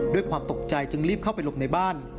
ด้วยความตกใจจึงรีบเข้าไปหลบในบ้าน